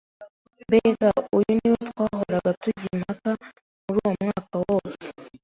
Mbega! Uyu niwe twahoraga tujya impaka muri uwo mwaka wose!